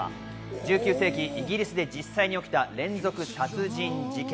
１９世紀、イギリスで実際に連続殺人事件。